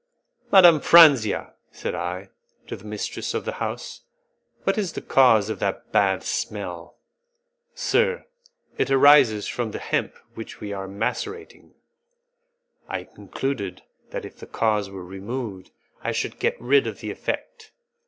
"Madame Franzia," said I, to the mistress of the house, "what is the cause of that bad smell?" "Sir, it arises from the hemp which we are macerating." I concluded that if the cause were removed, I should get rid of the effect.